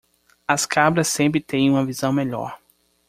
As cabras sempre têm uma visão melhor.